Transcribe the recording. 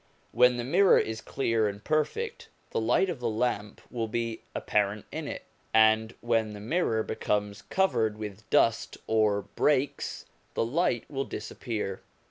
When the mirror is clear and perfect, the light of the lamp will be apparent in it, and when the mirror becomes covered with dust or breaks, the light will disappear.